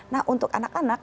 nah untuk anak anak